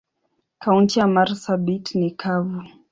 Kaunti ya marsabit ni kavu.